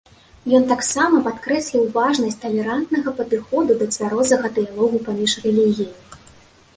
Ён таксама падкрэсліў важнасць талерантнага падыходу да цвярозага дыялогу паміж рэлігіямі.